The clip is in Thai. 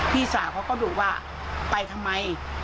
พี่สาวเขาก็ดุว่าไปทำไม